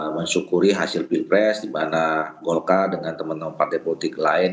mensyukuri hasil pilpres di mana golkar dengan teman teman partai politik lain